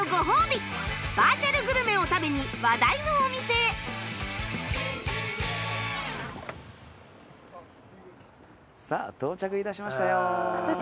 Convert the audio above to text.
バーチャルグルメを食べに話題のお店へさあ到着致しましたよ。